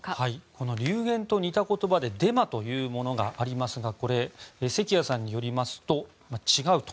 この流言と似た言葉でデマというものがありますがこれは関谷さんによりますと違うと。